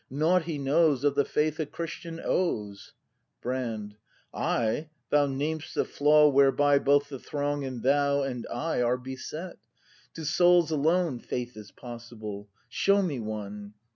Nought he knows Of the Faith a Christian owes! Brand. Ay, thou nam'st the flaw whereby Both the throng, and thou and I, Are beset! To souls alone Faith is possible, — show me one!